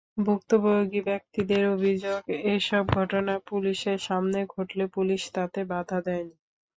ভুক্তভোগী ব্যক্তিদের অভিযোগ, এসব ঘটনা পুলিশের সামনে ঘটলেও পুলিশ তাতে বাধা দেয়নি।